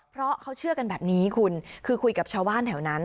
เพราะเขาเชื่อกันแบบนี้คุณคือคุยกับชาวบ้านแถวนั้น